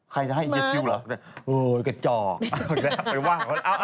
ใครจะให้อย่าซื้อเหรอโอ๊ยกระจอกไปว่างมา